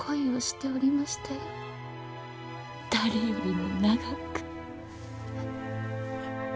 誰よりも長く。